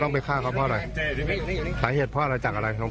ต้องไปฆ่าเขาเพราะอะไรหลายเหตุเพราะอะไรจากอะไรน้อง